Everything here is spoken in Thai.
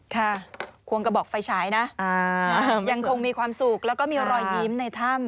ควงกระบอกไฟฉายนะยังคงมีความสุขแล้วก็มีรอยยิ้มในถ้ำ